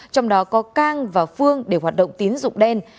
trong đó có cang và phương để hoạt động tín dụng đen